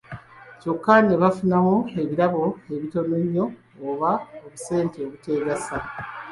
Kyokka ne bafunamu ebirabo ebitono ennyo, oba obusente obuteegasa.